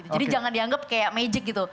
jadi jangan dianggap kayak magic gitu